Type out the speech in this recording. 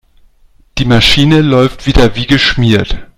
Die Maschine läuft wieder wie geschmiert.